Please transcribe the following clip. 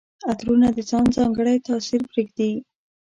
عطرونه د ځان ځانګړی تاثر پرېږدي.